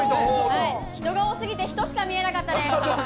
人が多すぎて、人しか見えなかったです。